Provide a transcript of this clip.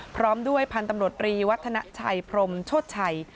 พร้อมด้วยพันธุ์ตำรวจรีวัฒนาชัยพรมโชชัย